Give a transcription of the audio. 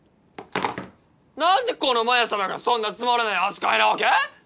なんでこのマヤさまがそんなつまらない扱いなわけ？